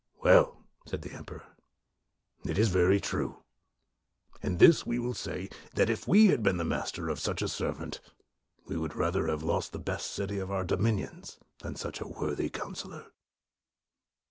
" Well/ 1 said the emperor, " it is very true, and this we will say, that if we had been master of such a servant, we would rather have lost the best city of our dominions, than such a worthy councilor.'